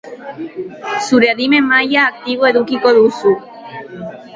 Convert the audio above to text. Zure adimen maila aktibo edukiko duzu.